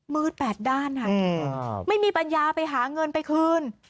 มืดแปดด้านค่ะไม่มีปัญญาไปหาเงินไปคืน